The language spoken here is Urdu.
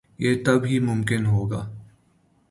یہ تب ہی ممکن ہو گا۔